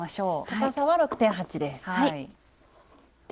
高さは６．８です。